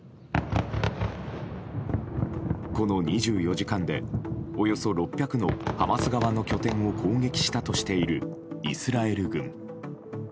この２４時間でおよそ６００のハマス側の拠点を攻撃したとしているイスラエル軍。